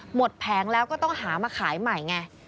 แผงแล้วก็ต้องหามาขายใหม่ไง